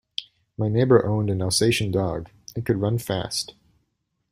My neighbour owned an Alsatian dog, it could run fast.